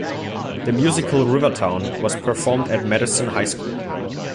The musical, "Rivertown", was performed at Madison High School.